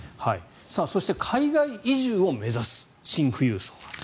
そして、海外移住を目指すシン富裕層が。